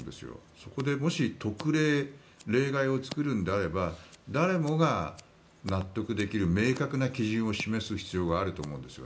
そこでもし特例、例外を作るのであれば誰もが納得できる明確な基準を示す必要があると思うんです。